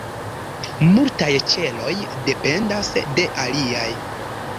Multaj ĉeloj dependas de aliaj.